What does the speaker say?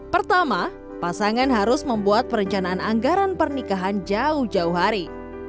pertama pasangan harus membuat perencanaan anggaran pernikahan jauh jauh hari